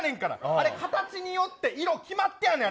あれは形によって色が決まってる。